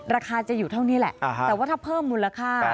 ราคาจะอยู่เท่านี้แหละแต่ว่าถ้าเพิ่มมูลค่า